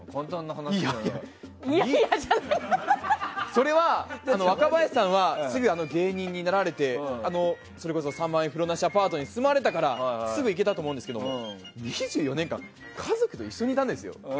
それは、若林さんはすぐ芸人になられてそれこそ３万円風呂なしアパートに住まれてたからすぐにいけたと思いますが２４年間家族と一緒にいたんですよ。